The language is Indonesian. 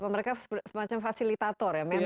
mereka semacam fasilitator ya mentor ya